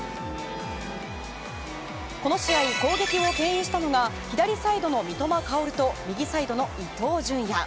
この試合、攻撃を牽引したのは左サイドの三笘薫と右サイドの伊東純也。